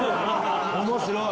面白い。